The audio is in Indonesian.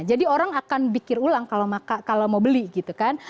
jadi orang akan berpikir ulang kalau mau beli gitu kan